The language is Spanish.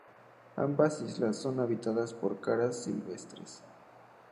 Ambas islas son habitadas por cabras silvestres.